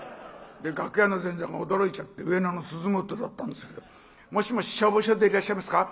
楽屋の前座が驚いちゃって上野の鈴本だったんですけど「もしもし消防署でいらっしゃいますか？